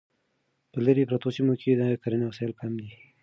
په لیرې پرتو سیمو کې د کرنې وسایل کم دي.